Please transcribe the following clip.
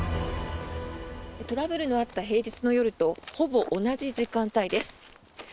トラブルのあった平日の夜とほぼ同じ時間帯です。